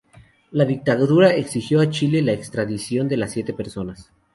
La dictadura exigió a Chile la extradición de las siete personas.